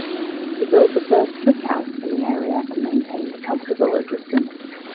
He built the first brick house in the area and maintained a comfortable existence.